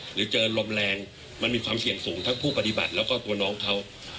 หรือเจอลมแรงมันมีความเสี่ยงสูงทั้งผู้ปฏิบัติแล้วก็ตัวน้องเขา